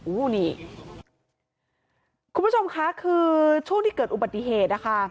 คุณผู้ชมค่ะช่วงที่เกิดอุบัติเหตุ